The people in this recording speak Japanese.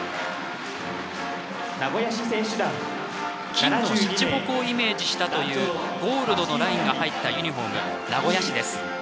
金のしゃちほこをイメージしたというゴールドのラインが入ったユニフォーム、名古屋市です。